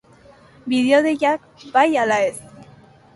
Bideo-deiak, bai ala ez?